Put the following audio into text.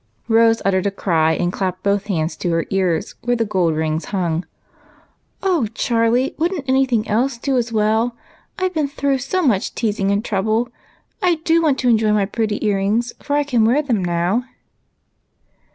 Rose uttered a cry and clapped both hands to her ears where the gold rings hung. "O Charlie, wouldn't any thing else do as well? I 've been through so much teasing and trouble, I do want to enjoy my pretty ear rings, for I can wear them now."